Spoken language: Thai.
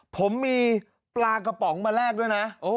ผมมีปลากระป๋องมาแลกด้วยนะ